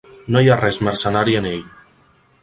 No hi ha res mercenari en ell.